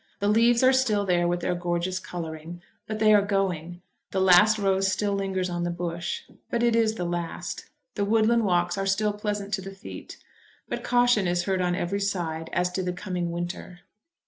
The leaves are still there with their gorgeous colouring, but they are going. The last rose still lingers on the bush, but it is the last. The woodland walks are still pleasant to the feet, but caution is heard on every side as to the coming winter.